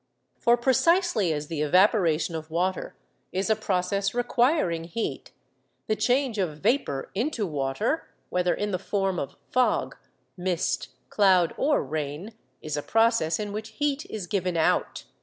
For precisely as the evaporation of water is a process requiring heat, the change of vapour into water—whether in the form of fog, mist, cloud, or rain—is a process in which heat is given out.